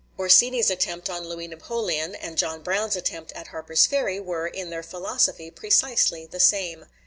Orsini's attempt on Louis Napoleon, and John Brown's attempt at Harper's Ferry were, in their philosophy, precisely the same.